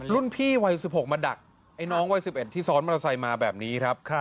รุ่นพี่วัย๑๖มาดักไอ้น้องวัย๑๑ที่ซ้อนมอเตอร์ไซค์มาแบบนี้ครับ